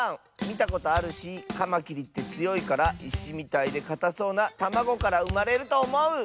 みたことあるしカマキリってつよいからいしみたいでかたそうなたまごからうまれるとおもう！